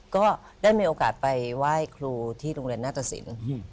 ก็ได้มีโอกาสไปไหว้ครูที่โรงเรียนนาตสิน